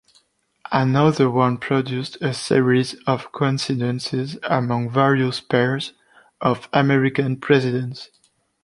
Another one produced a series of coincidences among various pairs of American presidents.